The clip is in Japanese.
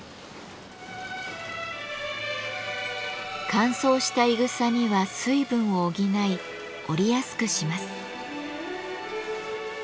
乾燥したいぐさには水分を補い織りやすくします。